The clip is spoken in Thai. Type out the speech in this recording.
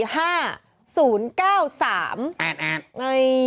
เฮ่ย